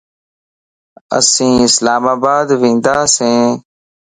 اسين اسلام آباد ونداسين